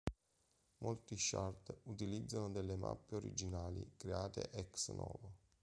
Molti shard utilizzano delle mappe originali create ex novo.